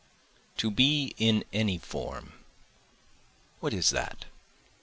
27 To be in any form, what is that?